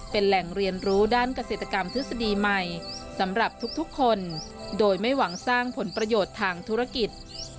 เป็นแหล่งเรียนรู้ด้านเกษตรกรรมทฤษฎีใหม่สำหรับทุกคนโดยไม่หวังสร้างผลประโยชน์ทางธุรกิจ